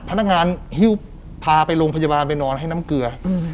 ฮิ้วพาไปโรงพยาบาลไปนอนให้น้ำเกลือ